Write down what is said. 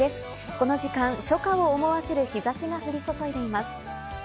この時間、初夏を思わせる日差しが降り注いでいます。